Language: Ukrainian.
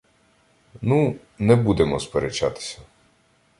— Ну, не будемо сперечатися.